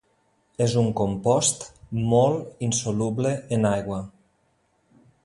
És un compost molt insoluble en aigua.